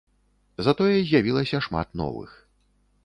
Затое з'явілася шмат новых.